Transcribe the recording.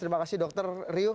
terima kasih dr ryu